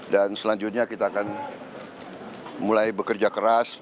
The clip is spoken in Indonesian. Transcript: dan selanjutnya kita akan mulai bekerja keras